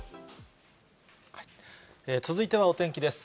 続いてはお天気です。